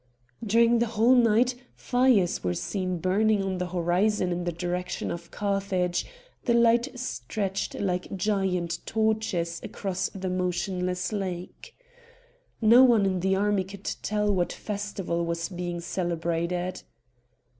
During the whole night fires were seen burning on the horizon in the direction of Carthage; the light stretched like giant torches across the motionless lake. No one in the army could tell what festival was being celebrated.